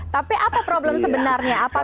tapi apa problem sebenarnya